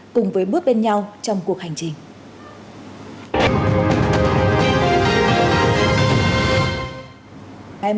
cùng với bước bên nhau trong cuộc hành trình